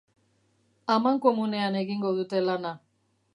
Amankomunean egingo dute lana